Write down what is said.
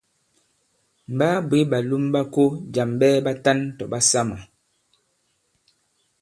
M̀ ɓaa bwě ɓàlom ɓa ko jàm ɓɛɛ ɓatan tɔ̀ ɓasamà.